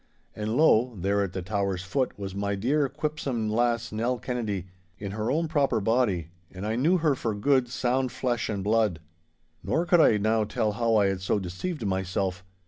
And lo! there at the tower's foot was my dear quipsome lass, Nell Kennedy, in her own proper body, and I knew her for good, sound flesh and blood. Nor could I now tell how I had so deceived myself.